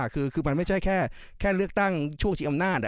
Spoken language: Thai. คือมันไม่ใช่แค่เลือกตั้งช่วงชิงอำนาจ